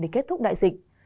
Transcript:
để kết thúc đại dịch